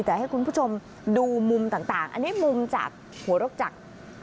แต่ให้คุณผู้ชมดูมุมต่างอันนี้มุมจากหัวรกจักร